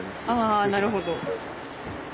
ああなるほど。